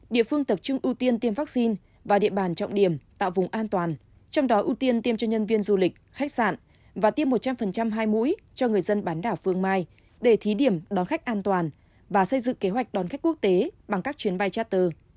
địa phương tập trung ưu tiên tiêm vaccine và địa bàn trọng điểm tạo vùng an toàn trong đó ưu tiên tiêm cho nhân viên du lịch khách sạn và tiêm một trăm linh hai mũi cho người dân bán đảo phương mai để thí điểm đón khách an toàn và xây dựng kế hoạch đón khách quốc tế bằng các chuyến bay trat tơ